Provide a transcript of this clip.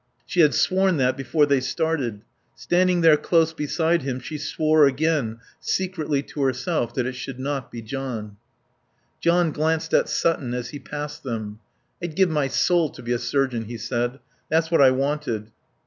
She had sworn that before they started. Standing there close beside him she swore again, secretly to herself, that it should not be John. John glanced at Sutton as he passed them. "I'd give my soul to be a surgeon," he said. "That's what I wanted."